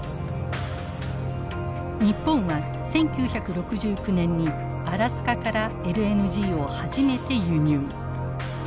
日本は１９６９年にアラスカからＬＮＧを初めて輸入。